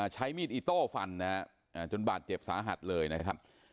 ใช้มีดอิโต้ฟันนะฮะจนบาดเจ็บสาหัสเลยนะครับ